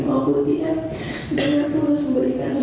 mau berhenti saya terus memberikan